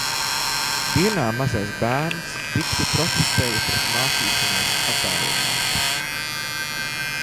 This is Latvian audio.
Dienā mazais bērns dikti protestēja pret mācīšanos attālināti.